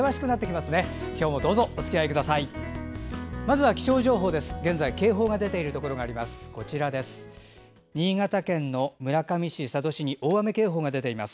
まずは気象情報です。